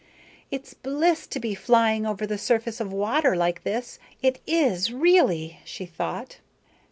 "It's bliss to be flying over the surface of water like this. It is, really," she thought.